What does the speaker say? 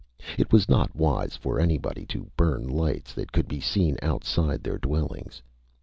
It was not wise for anybody to burn lights that could be seen outside their dwellings.